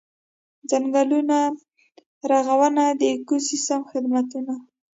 ځنګلونو رغونه د ایکوسیستمي خدمتونو.